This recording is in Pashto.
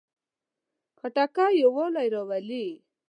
خټکی یووالی راولي.